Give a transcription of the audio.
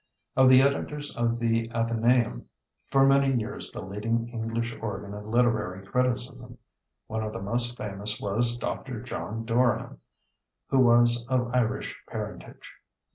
Of the editors of the Athenaeum for many years the leading English organ of literary criticism one of the most famous was Dr. John Doran, who was of Irish parentage.